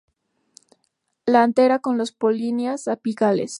La antera con dos polinias apicales.